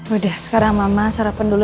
udah sekarang mama sarapan dulu